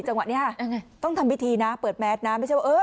จังหวะนี้ยังไงต้องทำพิธีนะเปิดแมสนะไม่ใช่ว่าเออ